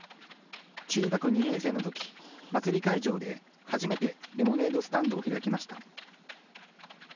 中学２年生のとき、祭り会場で初めてレモネードスタンドを開きました。